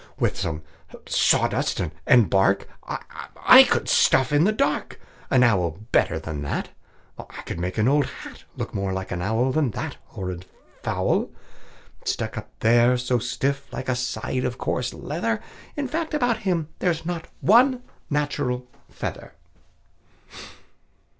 "With some sawdust and bark I could stuff in the dark An owl better than that. I could make an old hat Look more like an owl Than that horrid fowl, Stuck up there so stiff like a side of coarse leather. In fact, about him there's not one natural feather."